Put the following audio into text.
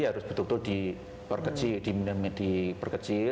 harus betul betul diperkecil